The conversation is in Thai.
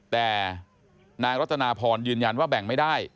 แต่นางรัตนาพรยืนยันว่าแบ่งไม่ได้